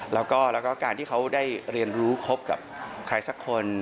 แล้วก็การที่เขาได้เรียนรู้คบกับใครสักคน